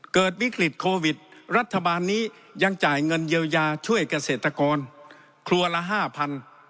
เกิดวิกฤตโควิดรัฐบาลนี้ยังจ่ายเงินเยียวยาช่วยเกษตรกรครัวละห้าพัน